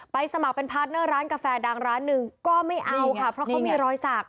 สมัครเป็นพาร์ทเนอร์ร้านกาแฟดังร้านหนึ่งก็ไม่เอาค่ะเพราะเขามีรอยสัก